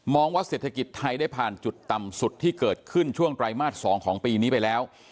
ว่าเศรษฐกิจไทยได้ผ่านจุดต่ำสุดที่เกิดขึ้นช่วงไตรมาส๒ของปีนี้ไปแล้ว